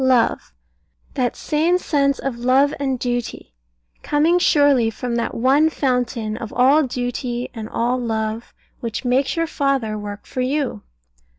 Love; that same sense of love and duty, coming surely from that one Fountain of all duty and all love, which makes your father work for you.